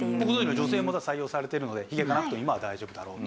女性も採用されているのでヒゲなくても今は大丈夫だろうと。